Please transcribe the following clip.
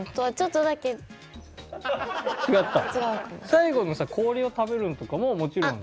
最後のさ氷を食べるのとかももちろん。